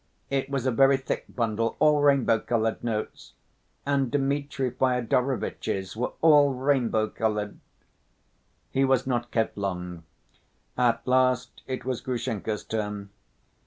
It was a very thick bundle, all rainbow‐colored notes. And Dmitri Fyodorovitch's were all rainbow‐colored...." He was not kept long. At last it was Grushenka's turn.